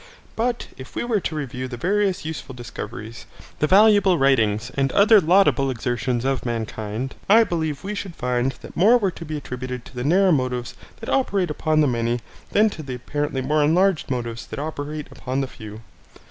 But if we were to review the various useful discoveries, the valuable writings, and other laudable exertions of mankind, I believe we should find that more were to be attributed to the narrow motives that operate upon the many than to the apparently more enlarged motives that operate upon the few.